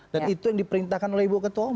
dan itu yang diperintahkan oleh ibu ketua omong